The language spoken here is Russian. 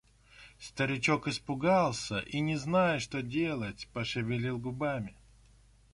Старичок испугался и, не зная, что делать, пошевелил губами.